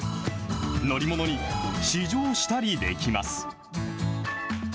乗り物に試乗したりできます。